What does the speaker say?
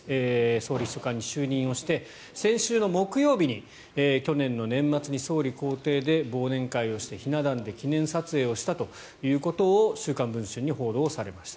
総理秘書官に就任して先週の木曜日に去年の年末に総理公邸で忘年会をしてひな壇で記念撮影をしたということを「週刊文春」に報道されました。